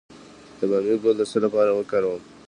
د بامیې ګل د څه لپاره وکاروم؟